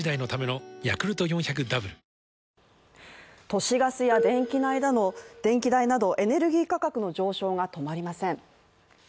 都市ガスや電気代などエネルギー価格の上昇が止まりません。